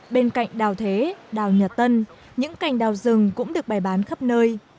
bên cạnh đào thế đào nhật tân những cành đào rừng cũng được bày bán khắp nơi